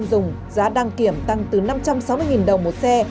năm trăm sáu mươi đồng một xe